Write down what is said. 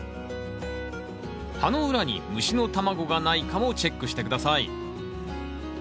葉の裏に虫の卵がないかもチェックして下さい。